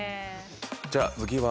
じゃあ次は。